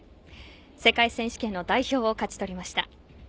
世界選手権の代表を勝ち取りました。